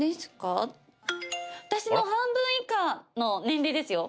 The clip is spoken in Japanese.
私の半分以下の年齢ですよ